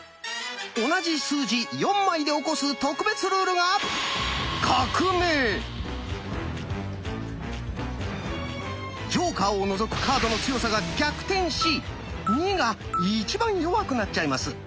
同じ数字４枚で起こす特別ルールがジョーカーを除くカードの強さが逆転し「２」が一番弱くなっちゃいます！